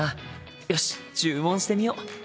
よし注文してみよう！